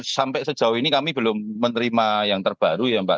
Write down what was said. sampai sejauh ini kami belum menerima yang terbaru ya mbak